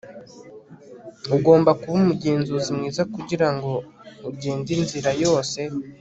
ugomba kuba umugenzi mwiza kugirango ugende inzira yose